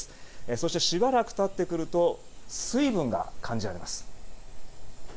そして、しばらくたってくると水分が感じられます。